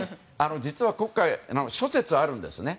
実は黒海、諸説あるんですね。